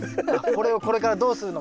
これをこれからどうするのか。